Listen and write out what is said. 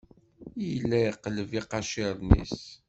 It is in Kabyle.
Yella yeqleb iqaciren-is.